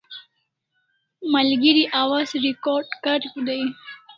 Malgeri awaz recard kariu dai